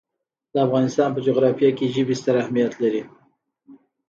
د افغانستان په جغرافیه کې ژبې ستر اهمیت لري.